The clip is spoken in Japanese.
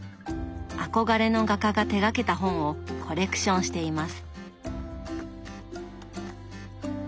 憧れの画家が手がけた本をコレクションしています。